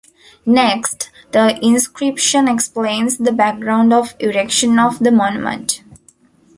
Next, the inscription explains the background of erection of the monument.